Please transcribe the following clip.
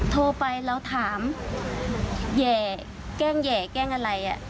โทรไปเราถามแหย่แกล้งแห่แกล้งอะไร